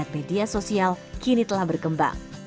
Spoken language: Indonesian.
media sosial kini telah berkembang